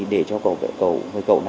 để cho cậu